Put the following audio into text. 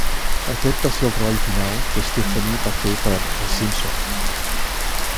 Aquest va ser el treball final que Stefani va fer per "Els Simpson".